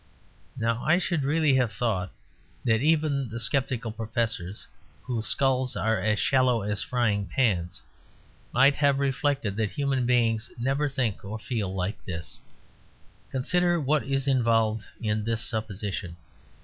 Now I should really have thought that even the skeptical professors, whose skulls are as shallow as frying pans, might have reflected that human beings never think or feel like this. Consider what is involved in this supposition.